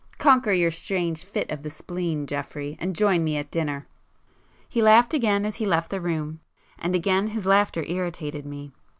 Conquer your strange fit of the spleen, Geoffrey, and join me at dinner!" He laughed again as he left the room,—and again his laughter irritated me.